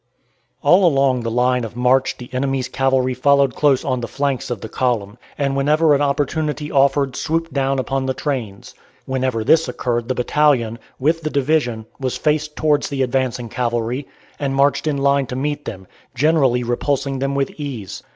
All along the line of march the enemy's cavalry followed close on the flanks of the column, and whenever an opportunity offered swooped down upon the trains. Whenever this occurred the battalion, with the division, was faced towards the advancing cavalry, and marched in line to meet them, generally repulsing them with ease.